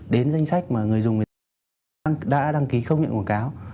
đến danh sách mà người dùng đã đăng ký không nhận quảng cáo